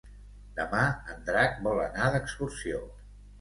Demà en Drac vol anar d'excursió.